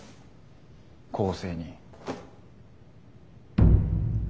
「公正」に。